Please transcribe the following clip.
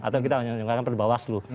atau kita hanya perbawaslu